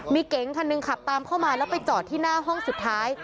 มีเก๋งคันหนึ่งขับตามเข้ามาแล้วไปจอดที่หน้าห้องสุดท้าย